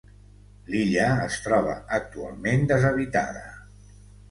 L'illa es troba actualment deshabitada.